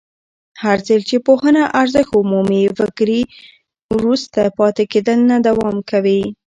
هرځل چې پوهنه ارزښت ومومي، فکري وروسته پاتې کېدل نه دوام کوي.